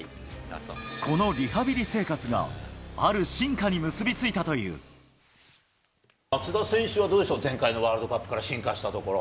このリハビリ生活が、松田選手はどうでしょう、前回のワールドカップから進化したところ？